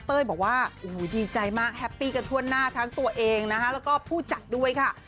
เต้ยบอกว่าโอ้โหดีใจมากแฮปปี้กันทั่วหน้าทั้งตัวเองนะคะแล้วก็ผู้จัดด้วยค่ะ